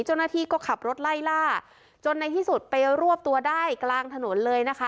เจ้าหน้าที่ก็ขับรถไล่ล่าจนในที่สุดไปรวบตัวได้กลางถนนเลยนะคะ